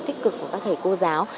tích cực của các thầy cô giáo